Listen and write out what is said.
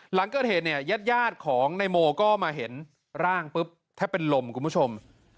หลังเกิดเหตุเนี่ยญาติของนายโมก็มาเห็นร่างปุ๊บแทบเป็นลมคุณผู้ชม